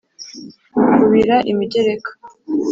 Rukubira imigereka,